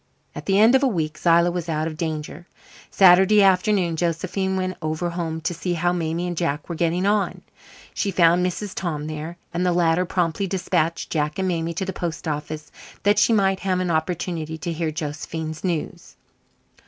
At the end of a week Zillah was out of danger. Saturday afternoon Josephine went over home to see how Mamie and Jack were getting on. She found Mrs. Tom there, and the latter promptly despatched Jack and Mamie to the post office that she might have an opportunity to hear Josephine's news.